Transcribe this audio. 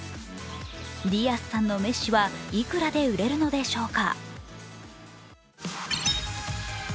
ディアスさんのメッシはいくらで売れるのでしょうか。